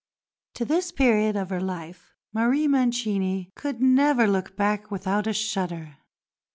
To this period of her life Marie Mancini could never look back without a shudder.